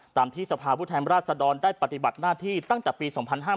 ตามที่สภาพุทธรรมราชสะดอนได้ปฏิบัติหน้าที่ตั้งจากปี๒๕๖๒